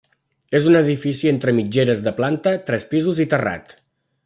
És un edifici entre mitgeres de planta, tres pisos i terrat.